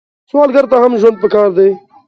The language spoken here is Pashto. سوالګر ته هم ژوند پکار دی